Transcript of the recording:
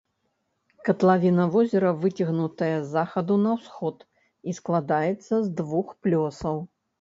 Катлавіна возера выцягнутая з захаду на ўсход і складаецца з двух плёсаў.